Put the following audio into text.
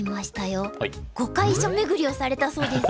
碁会所めぐりをされたそうですね。